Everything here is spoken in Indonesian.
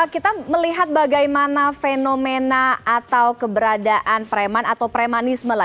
kita melihat bagaimana fenomena atau keberadaan preman atau premanisme